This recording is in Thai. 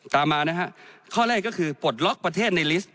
ตามมานะฮะข้อแรกก็คือปลดล็อกประเทศในลิสต์